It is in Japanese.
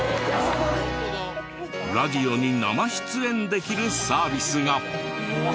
ラジオに生出演できるサービスが。